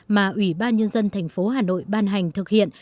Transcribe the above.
mà ủy ban nhân dân thành phố hà nội ban hành thực hiện